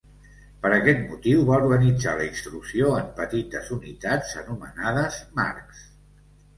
Per aquest motiu, va organitzar la instrucció en petites unitats anomenades marcs.